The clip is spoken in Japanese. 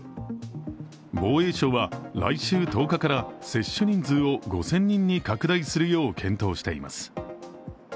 防衛省は来週１０日から接種人数を５０００人に拡大するよう検討しています。